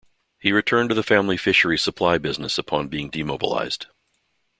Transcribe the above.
He returned to the family fishery supply business upon being demobilized.